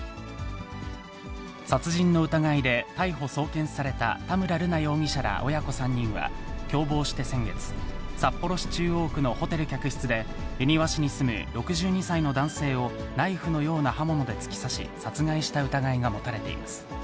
殺人の疑いで逮捕・送検された田村瑠奈容疑者ら親子３人は、共謀して先月、札幌市中央区のホテル客室で、恵庭市に住む６２歳の男性をナイフのような刃物で突き刺し殺害した疑いが持たれています。